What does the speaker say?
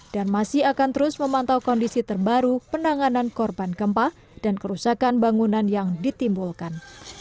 dan masih akan terus memantau kondisi terbaru penanganan korban gempa dan kerusakan bangunan yang ditimbulkan